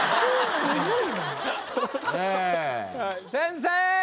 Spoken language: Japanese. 先生。